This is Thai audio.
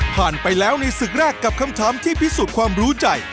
ไปแล้วในศึกแรกกับคำถามที่พิสูจน์ความรู้ใจ